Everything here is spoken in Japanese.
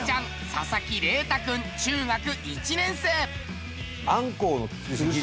佐々木伶汰君中学１年生。